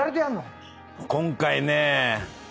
今回ね。